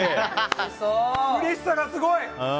うれしさがすごい！